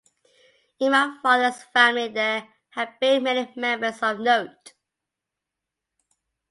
In my father's family there have been many members of note.